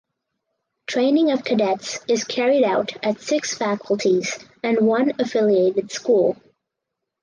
Training of cadets is carried out at six faculties and one affiliated school.